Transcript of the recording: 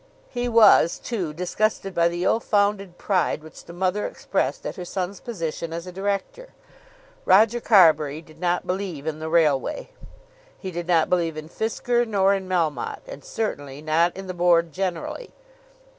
He was, too, disgusted by the ill founded pride which the mother expressed at her son's position as a director. Roger Carbury did not believe in the Railway. He did not believe in Fisker, nor in Melmotte, and certainly not in the Board generally.